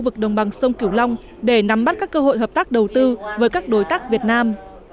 vực đồng bằng sông kiều long để nắm bắt các cơ hội hợp tác đầu tư với các đối tác việt nam